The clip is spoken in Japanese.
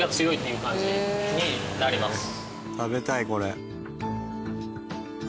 食べたいこれ。